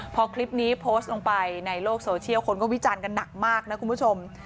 พอคลิปนี้โพสต์ลงไปในโลกโซเชียลคนก็วิจารณ์กันหนักมากนะคุณผู้ชม